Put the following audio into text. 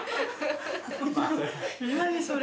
何それ。